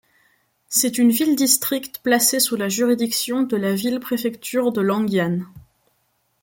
C'est une ville-district placée sous la juridiction de la ville-préfecture de Longyan.